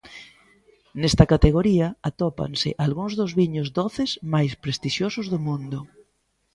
Nesta categoría atópanse algúns dos viños doces máis prestixiosos do mundo.